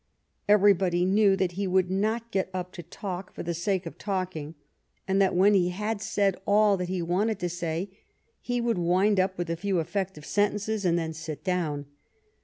Everybody knew that he would not get up to talk for the sake of talking, and that when he had said all that he wanted to say he would wind up with a few effective sen tences and then sit down.